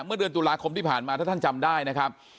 เมื่อเดือนตุลาคมที่ผ่านมาถ้าท่านจำได้นะครับ